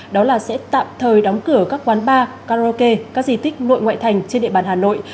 đó là sẽ tạm thời đóng cửa các quán bar karaoke các di tích nội ngoại thành trên địa bàn hà nội